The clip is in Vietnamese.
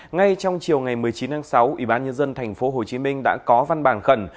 ngay trong chiều ngày một mươi chín tháng sáu ủy ban nhân dân thành phố hồ chí minh đã có văn bản khẩn